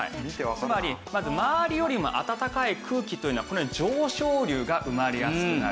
つまりまず周りよりも暖かい空気というのはこのように上昇流が生まれやすくなる。